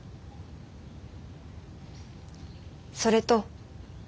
それと。